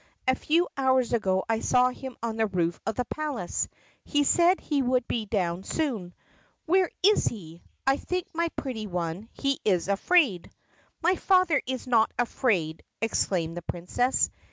A few hours ago I saw him on the roof of the palace. He said he would be down soon. Where is he? I think, my pretty one, he is afraid." "My father is not afraid!" exclaimed the Princess.